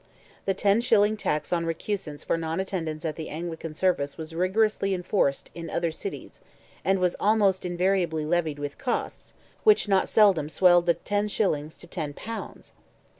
The ten shilling tax on recusants for non attendance at the Anglican service was rigorously enforced in other cities, and was almost invariably levied with costs, which not seldom swelled the ten shillings to ten pounds.